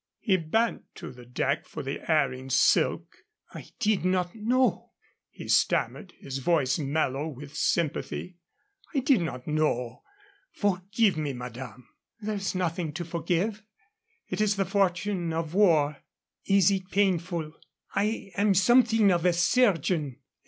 He bent to the deck for the erring silk. "I did not know," he stammered, his voice mellow with sympathy. "I did not know. Forgive me, madame." "There is nothing to forgive. It is the fortune of war." "Is it painful? I am something of a chirurgeon.